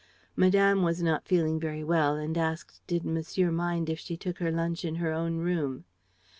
Madame was not feeling very well and asked did monsieur mind if she took her lunch in her own room.